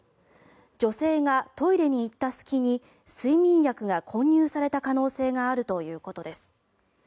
女性がトイレに行った隙に睡眠薬が混入された可能性があるということです。